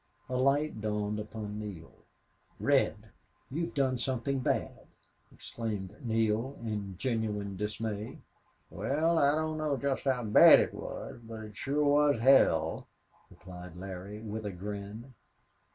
A light dawned upon Neale. "Red! You've done something bad!" exclaimed Neale, in genuine dismay. "Wal, I don't know jest how bad it was, but it shore was hell," replied Larry, with a grin.